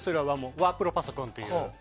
ワープロパソコンという。